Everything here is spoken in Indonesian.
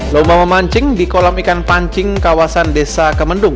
lomba memancing di kolam ikan pancing kawasan desa kemendung